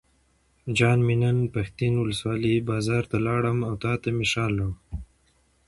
جان مې نن پښتین ولسوالۍ بازار ته لاړم او تاته مې شال راوړل.